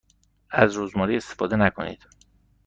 از رزماری استفاده نکنید.